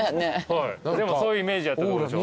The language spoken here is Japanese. でもそういうイメージやったってことでしょ？